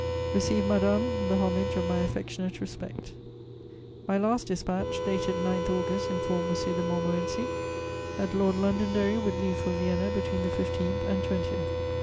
"Receive, madame, the homage of my affectionate respect." My last dispatch, dated 9 August, informed M. de Montmorency that Lord Londonderry would leave for Vienna between the 15th and 20th.